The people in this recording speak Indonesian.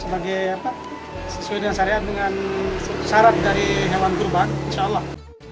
sebagai sesuai dengan syariat dengan syarat dari hewan kurban insya allah